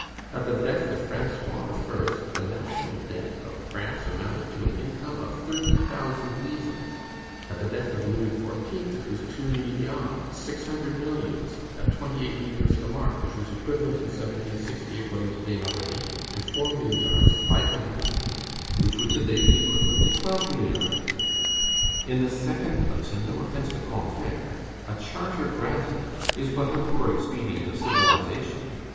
At the death of François I., the national debt of France amounted to an income of thirty thousand livres; at the death of Louis XIV. it was two milliards, six hundred millions, at twenty eight livres the mark, which was equivalent in 1760, according to Desmarets, to four milliards, five hundred millions, which would to day be equivalent to twelve milliards. In the second place, and no offence to Combeferre, a charter granted is but a poor expedient of civilization.